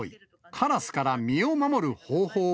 カラスから身を守る方法は。